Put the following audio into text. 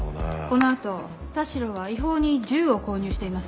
この後田代は違法に銃を購入しています。